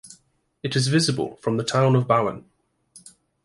It is visible from the town of Bowen.